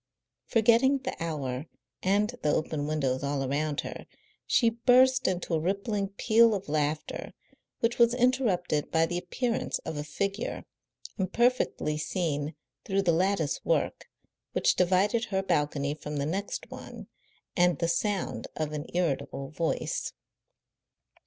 Forgetting the hour and the open windows all around her, she burst into a rippling peal of laughter, which was interrupted by the appearance of a figure, imperfectly seen through the lattice work which divided her balcony from the next one, and the sound of an irritable voice.